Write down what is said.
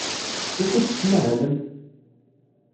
Wukud tettmahalem?